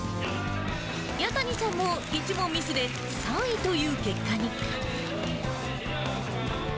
弥谷さんも１問ミスで３位という結果に。